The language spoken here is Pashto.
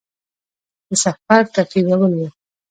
د سفر ترتیبول وه.